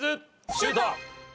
シュート！